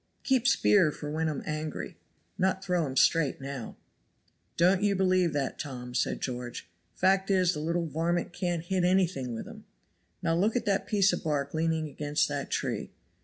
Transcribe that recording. "Keep spear for when um angry, not throw him straight now. "Don't you believe that, Tom," said George. "Fact is the little varmint can't hit anything with 'em. Now look at that piece of bark leaning against that tree.